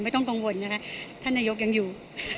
ไม่ต้องกังวลนะคะท่านนายกยังอยู่